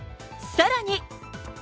さらに。